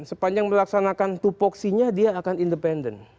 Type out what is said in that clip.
sepanjang melaksanakan tupoksinya dia akan independen